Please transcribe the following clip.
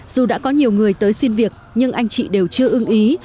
dù đã có nhiều người tới xin việc nhưng anh chị đều chưa ưng ý